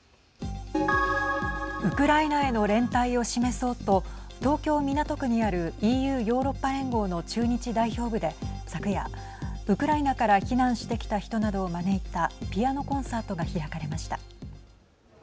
ウクライナへの連帯を示そうと東京、港区にあるＥＵ＝ヨーロッパ連合の駐日代表部で昨夜、ウクライナから避難してきた人などを招いたピアノコンサートが開かれました。